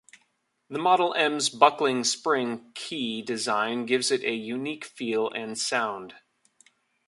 The Model M's buckling spring key design gives it a unique feel and sound.